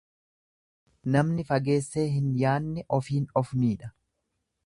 Namni fageessee hin yaanne ofiin of miidha.